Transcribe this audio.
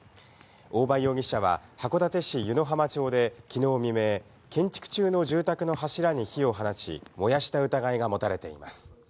大場容疑者は、函館市湯浜町できのう未明、建築中の住宅の柱に火を放ち、燃やした疑いが持たれています。